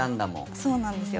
そうなんですよ。